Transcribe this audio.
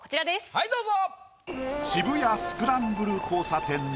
はいどうぞ。